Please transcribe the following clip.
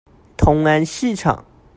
同安市場